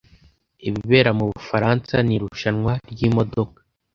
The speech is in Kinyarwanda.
Ibibera mu Ubufaransa ni Irushanwa ryimodoka